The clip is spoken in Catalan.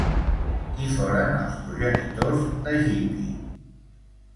Qui foren els progenitors d'Egipi?